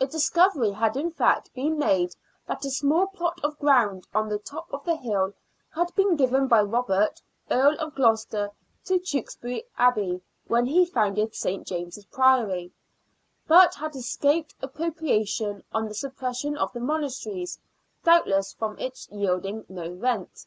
A discovery had in fact been made that a small plot of ground on the top of the hill had been given by Robert, Earl of Gloucester, to Tewkesbury Abbey, when he founded St. James's Priory, but had escaped appropria tion on the suppression of the monastries, doubtless from its yielding no rent.